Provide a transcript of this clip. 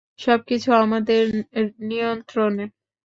সবকিছু আমাদের নিয়ন্ত্রণে।